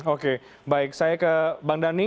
oke baik saya ke bang dhani